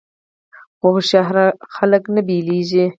خو هوښیار خلک نه بیلیږي.